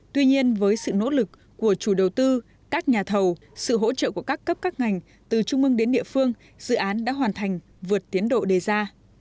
tuy nhiên với sự nỗ lực của chủ đầu tư các nhà thầu sự hỗ trợ của các cấp các ngành từ trung mương đến địa phương dự án đã hoàn thành vượt tiến độ đề ra